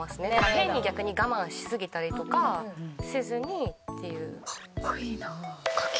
変に逆に我慢しすぎたりとかせずにっていう。